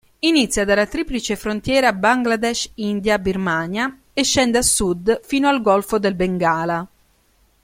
Inizia dalla triplice frontiera Bangladesh-India-Birmania e scende a sud fino al Golfo del Bengala.